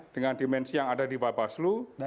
dengan dimensi yang ada di bapak slu